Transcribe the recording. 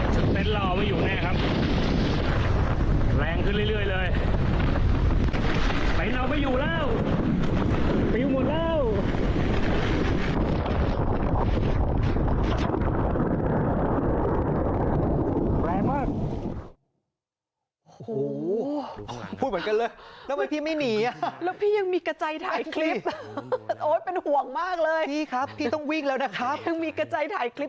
สเต็ชลอดไม่อยู่แน่ครับแรงขึ้นเรื่อยเลย